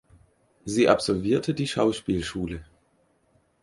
Sie absolvierte die Schauspielschule.